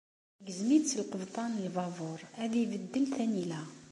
Igzem-itt lqebṭan n lbabuṛ ad ibeddel tanila.